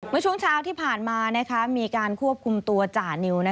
เมื่อช่วงเช้าที่ผ่านมามีการควบคุมตัวจ่านิว